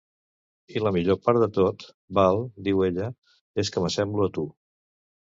"I la millor part de tot, Val", diu ella, "és que m'assemblo a tu!